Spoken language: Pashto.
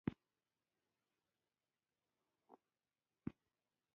هغې بانجاني چیني چاینکه کې چای دم کړ او ور یې وړ.